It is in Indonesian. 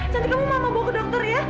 nanti kamu mama bawa ke dokter ya